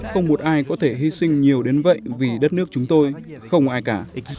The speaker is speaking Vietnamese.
không một ai có thể hy sinh nhiều đến vậy vì đất nước chúng tôi không ai cả